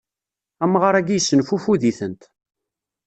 Amɣaṛ-agi issenfufud-itent.